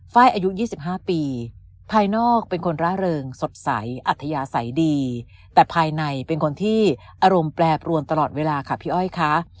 ไฟล์อายุ๒๕ปีภายนอกเป็นคนร่าเริงสดใสอัธยาศัยดีแต่ภายในเป็นคนที่อารมณ์แปรปรวนตลอดเวลาค่ะพี่อ้อยค่ะ